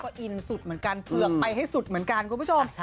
ก็อินสุดเหมือนกันเผือกไปให้สุดเหมือนกันคุณผู้ชม